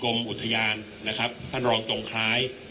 คุณผู้ชมไปฟังผู้ว่ารัฐกาลจังหวัดเชียงรายแถลงตอนนี้ค่ะ